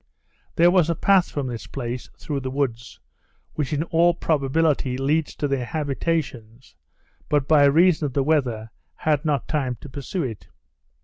There was a path from this place, through the woods, which in all probability leads to their habitations; but, by reason of the weather, had not time to pursue it.